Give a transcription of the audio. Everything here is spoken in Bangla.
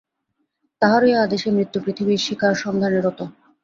তাঁহারই আদেশে মৃত্যু পৃথিবীতে শিকারসন্ধানে রত।